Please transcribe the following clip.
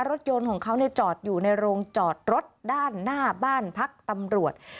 รถยนต์ของเขาจอดอยู่ในโรงจอดรถด้านหน้าบ้านพักตำรวจ